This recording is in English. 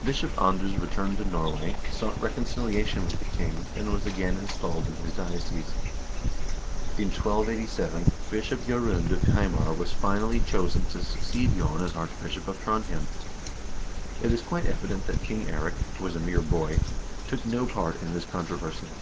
Bishop Anders returned to Norway, sought reconciliation with the king, and was again installed in his diocese. In 1287 Bishop J0rund of Hamar was finally chosen to succeed Jon as Archbishop of Trondhjem. It is quite evident that King Eirik, who was a mere boy, took no part in this controversy.